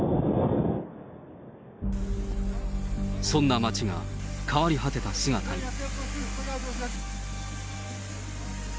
そんな街が、変わり果てた姿に。